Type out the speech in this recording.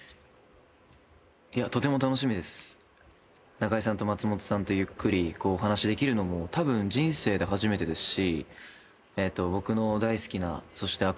中居さんと松本さんとゆっくりお話しできるのもたぶん人生で初めてですし。